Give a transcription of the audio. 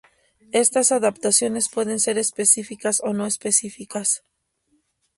Estas adaptaciones pueden ser específicas o no específicas.